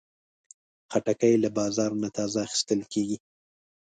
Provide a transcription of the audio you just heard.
خټکی له بازار نه تازه اخیستل کېږي.